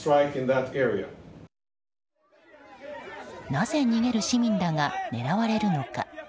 なぜ逃げる市民らが狙われるのか。